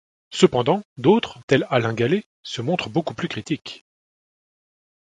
Cependant d'autres, tel Alain Gallay, se montrent beaucoup plus critiques.